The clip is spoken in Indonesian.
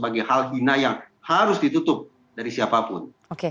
sebagai hal hina yang harus ditutup dari siapapun